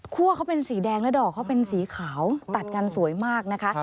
เขาเป็นสีแดงและดอกเขาเป็นสีขาวตัดกันสวยมากนะคะ